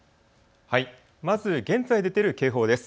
まず現在出ている警報です。